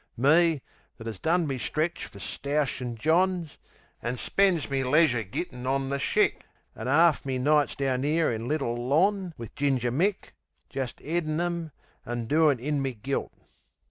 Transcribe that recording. Me, that 'as done me stretch fer stoushin' Johns, An' spen's me leisure gittin' on the shick, An' 'arf me nights down there, in Little Lon., Wiv Ginger Mick, Jist 'eadin' 'em, an' doing in me gilt.